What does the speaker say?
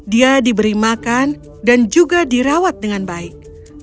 dia diberi makan dan juga dirawat dengan baik